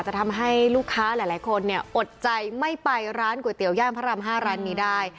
จะทำให้ลูกค้าหลายคนเนี่ยอดใจไม่ไปร้านก๋วยเตี๋ย่านพระราม๕ร้านนี้ได้